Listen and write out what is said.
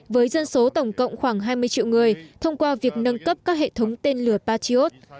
với dân số tổng cộng khoảng hai mươi triệu người thông qua việc nâng cấp các hệ thống tên lửa patriot